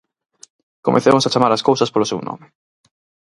Comecemos a chamar ás cousas polo seu nome.